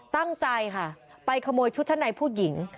ตั้งใจค่ะไปขโมยชุดชั้นในผู้หญิง